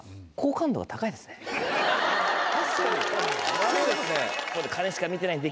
そうですね。